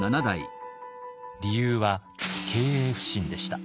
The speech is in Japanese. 理由は経営不振でした。